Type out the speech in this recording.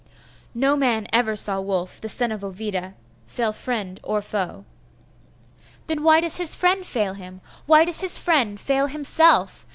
'No man ever saw Wulf, the son of Ovida, fail friend or foe.' 'Then why does his friend fail him? Why does his friend fail himself?